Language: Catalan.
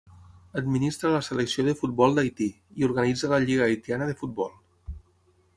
Administra la selecció de futbol d'Haití i organitza la lliga haitiana de futbol.